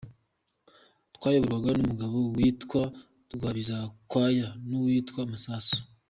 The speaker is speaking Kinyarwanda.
Twayoborwaga n’umugabo witwa rwabizankwaya n’uwitwa Masasu.